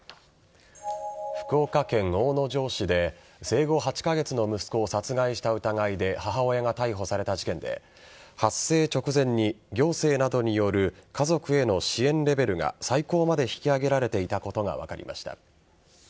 福岡県大野城市で生後８カ月の息子を殺害した疑いで母親が逮捕された事件で発生直前に行政などによる家族への支援レベルが最高まで引き上げられていたことが分かりました。